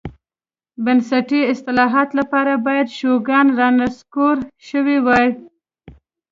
بنسټي اصلاحاتو لپاره باید شوګان رانسکور شوی وای.